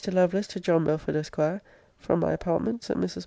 LOVELACE, TO JOHN BELFORD, ESQ. FROM MY APARTMENTS AT MRS.